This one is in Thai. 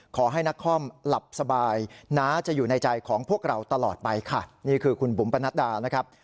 ขอให้นักคอมหลับสบายน้าจะอยู่ในใจของพวกเราตลอดไปค่ะนี่คือคุณบุ๋มปนัดดานะครับ